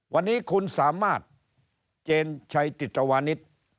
วันนี้คุณสามารถเจนชัยติตรวณิษฐ์